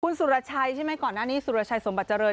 คุณสุรชัยใช่ไหมก่อนหน้านี้สุรชัยสมบัติเจริญ